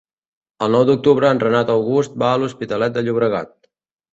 El nou d'octubre en Renat August va a l'Hospitalet de Llobregat.